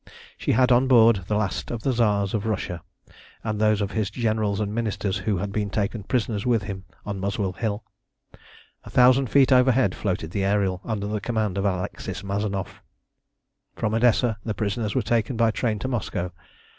She had on board the last of the Tsars of Russia, and those of his generals and Ministers who had been taken prisoners with him on Muswell Hill. A thousand feet overhead floated the Ariel, under the command of Alexis Mazanoff. From Odessa the prisoners were taken by train to Moscow.